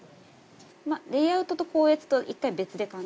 レイアウトと校閲と一回別で考えて。